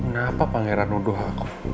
kenapa pangeran nuduh aku